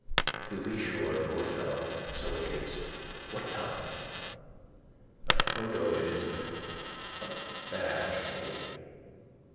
—To be sure, poor fellow. So it is. What time? A photo it isn't. A badge maybe.